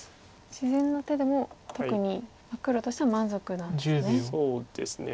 自然な手でも特に黒としては満足なんですね。